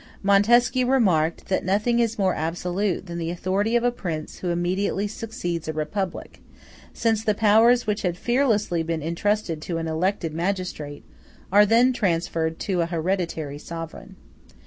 Montesquieu remarked, that nothing is more absolute than the authority of a prince who immediately succeeds a republic, since the powers which had fearlessly been intrusted to an elected magistrate are then transferred to a hereditary sovereign.